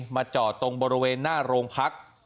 มาจอดตรงบริเวณหน้าโรงพัก